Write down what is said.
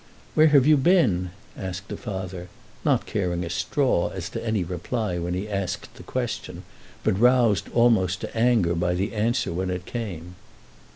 "Where have you been?" asked the father, not caring a straw as to any reply when he asked the question, but roused almost to anger by the answer when it came.